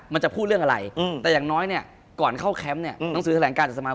คุณผู้ชมบางท่าอาจจะไม่เข้าใจที่พิเตียร์สาร